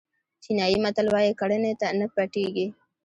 چینایي متل وایي کړنې نه پټېږي.